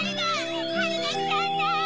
はるがきたんだ！